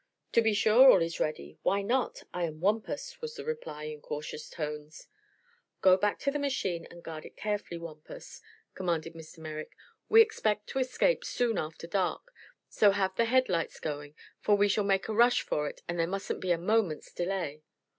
"To be sure all is ready. Why not? I am Wampus!" was the reply, in cautious tones. "Go back to the machine and guard it carefully, Wampus," commanded Mr. Merrick. "We expect to escape soon after dark, so have the headlights going, for we shall make a rush for it and there mustn't be a moment's delay."